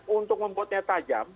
untuk membuatnya tajam